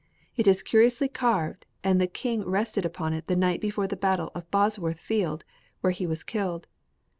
It is curiously carved, and the king rested upon it the night before the battle of Bosworth Field, where he was killed.